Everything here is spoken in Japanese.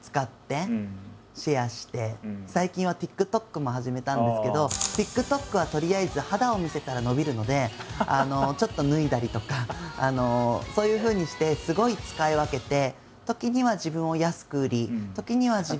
最近はＴｉｋＴｏｋも始めたんですけどＴｉｋＴｏｋはとりあえず肌を見せたら伸びるのでちょっと脱いだりとかそういうふうにしてすごい使い分けて。